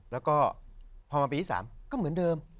แล้วก็พอมาปีที่๓ก็เหมือนเดิม